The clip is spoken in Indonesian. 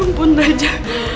ya ampun raja